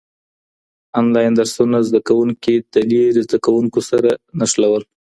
انلاين درسونه زده کوونکي د لېرې زده کوونکو سره نښلول.